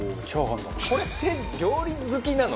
これって料理好きなの？